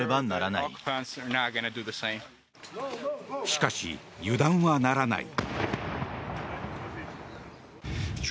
しかし、油断はならない。